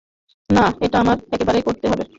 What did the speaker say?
না, এটা আমার একারই করতে হবে।